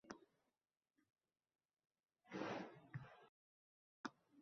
Kichik va ko'p vaqt talab qiladigan vazifalar bilan ishlashni engillashtirish taklif qilingan"